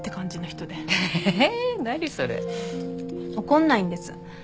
怒んないんです。